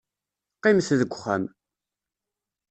Qqimet deg uxxam.